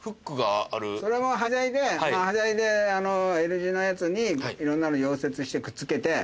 それも端材でＬ字のやつにいろんなの溶接してくっつけて。